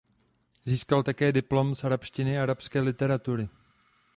Získal také diplom z arabštiny a arabské literatury.